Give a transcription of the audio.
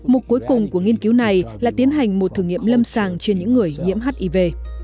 mục cuối cùng của nghiên cứu này là tiến hành một thử nghiệm lâm sàng trên những người nhiễm hiv